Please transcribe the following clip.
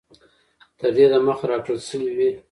تر دې د مخه را كړل شوي وې